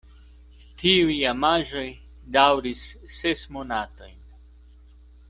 Tiuj amaĵoj daŭris ses monatojn.